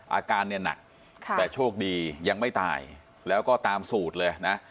อาการเนี่ยหนักแต่โชคดียังไม่ตายแล้วก็ตามสูตรเลยนะ